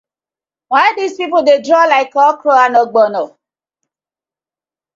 Why dis pipu dey draw like okra and ogbono.